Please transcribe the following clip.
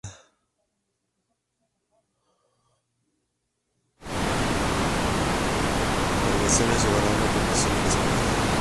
La relación les llevará a una conclusión inesperada.